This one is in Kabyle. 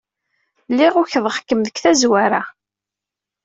Lliɣ ukḍeɣ-kem deg tazwara.